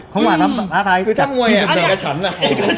คือถ้าเมื่อยังเหมือนกับฉันนะ